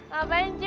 gak apa apain cik